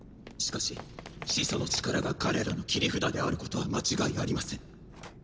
しかし「始祖の力」が彼らの切り札であることは間違いありません。